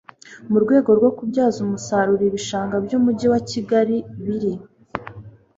Mu rwego rwo kubyaza umusaruro ibishanga by Umujyi wa Kigali biri